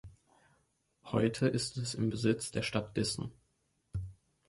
Heute ist es im Besitz der Stadt Dissen.